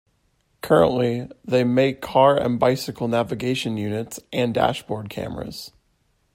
Currently they make Car and Bicycle Navigation Units and Dashboard Cameras.